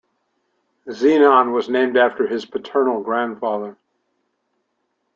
Zenon was named after his paternal grandfather.